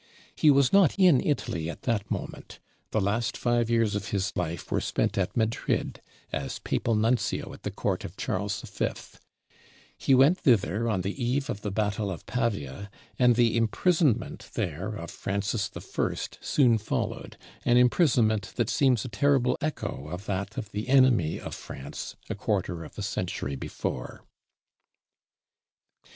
He was not in Italy at that moment. The last five years of his life were spent at Madrid as papal nuncio at the court of Charles V. He went thither on the eve of the battle of Pavia, and the imprisonment there of Francis I. soon followed; an imprisonment that seems a terrible echo of that of the enemy of France a quarter of a century before.